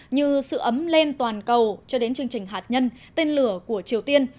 như sự ấm lên toàn cầu cho đến chương trình hạt nhân tên lửa của triều tiên